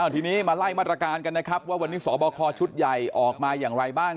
ทีนี้มาไล่มาตรการกันนะครับว่าวันนี้สบคชุดใหญ่ออกมาอย่างไรบ้าง